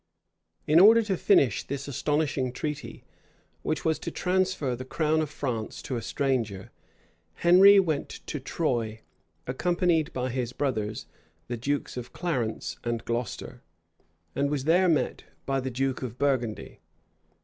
{1420.} In order to finish this astonishing treaty, which was to transfer the crown of France to a stranger, Henry went to Troye, accompanied by his brothers, the dukes of Clarence and Glocester; and was there met by the duke of Burgundy.